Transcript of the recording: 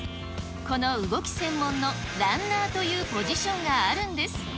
この動き専門のランナーというポジションがあるんです。